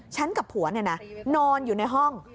ฉันกับผัวเนี่ยนะนอนอยู่ในห้อง